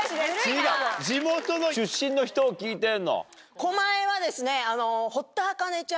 地元の出身の人を聞いてんの。